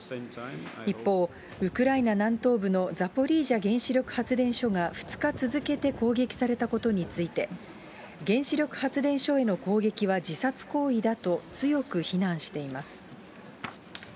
一方、ウクライナ南東部のザポリージャ原子力発電所が２日続けて攻撃されたことについて、原子力発電所への攻撃は自殺行為だと強く非難しています。